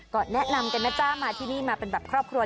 ก็แนะนำกันนะจ๊ะมาที่นี่มาเป็นแบบครอบครัว